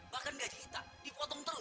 bahkan gaji kita dipotong terus